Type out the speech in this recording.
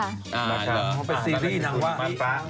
อ๋อเดี๋ยวเราเข้าไปซีรีส์หนังว่า